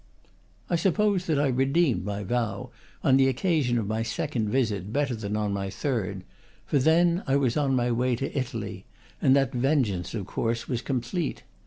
I suppose that I redeemed my vow on the oc casion of my second visit better than on my third; for then I was on my way to Italy, and that vengeance, of course, was complete.